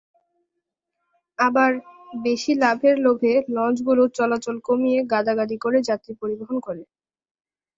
আবার বেশি লাভের লোভে লঞ্চগুলো চলাচল কমিয়ে গাদাগাদি করে যাত্রী পরিবহন করে।